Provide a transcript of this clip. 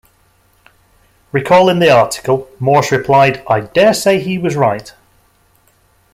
Recalling the article, Morse replied: I daresay he was right!